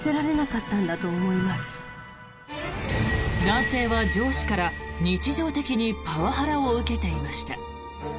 男性は上司から日常的にパワハラを受けていました。